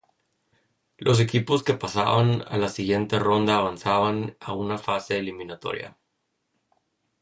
Los equipos que pasaban a la siguiente ronda avanzaban a una fase eliminatoria.